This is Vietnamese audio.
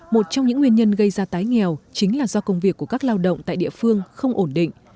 một trong những nguyên nhân gây ra tái nghèo chính là do công việc của các lao động tại địa phương không ổn định